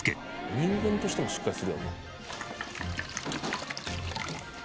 人間としてもしっかりするやんな。